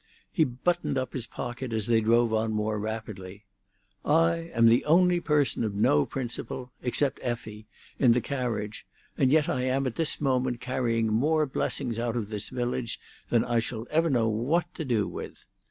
He buttoned up his pocket as they drove on more rapidly. "I am the only person of no principle—except Effie—in the carriage, and yet I am at this moment carrying more blessings out of this village than I shall ever know what to do with.